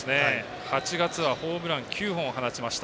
８月はホームラン９本を放ちました。